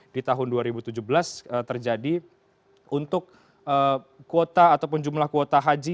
di tahun dua ribu tujuh belas terjadi untuk kuota ataupun jumlah kuota haji